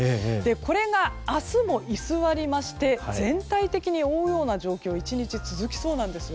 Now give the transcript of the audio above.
これが明日も居座りまして全体的に覆うような状況が１日続きそうなんです。